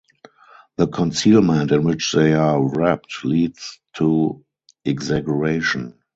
The concealment in which they are wrapped leads to exaggeration.